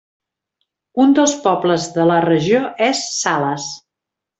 Un dels pobles de la regió és Sales.